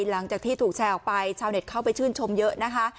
หลังจากที่ถูกแชร์ออกไปชาวเน็ตเข้าไปชื่นชมเยอะนะคะ